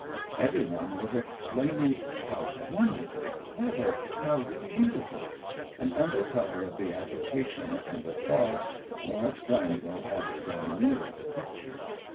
Every one was exclaiming, " How won derfully clever — how beautiful !" and under cover of the agitation and applause Maurice Glanvil had drawn nearer the picture.